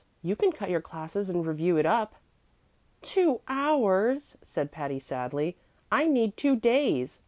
You can cut your classes and review it up." "Two hours!" said Patty, sadly. "I need two days.